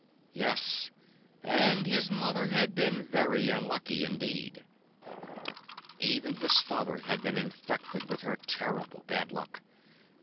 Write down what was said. Yes, and his mother had been very unlucky indeed. Even his father had been infected with her terrible bad luck.